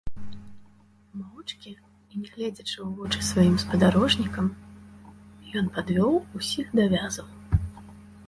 Моўчкі і не гледзячы ў вочы сваім спадарожнікам, ён падвёў усіх да вязаў.